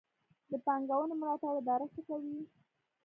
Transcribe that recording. د پانګونې ملاتړ اداره څه کوي؟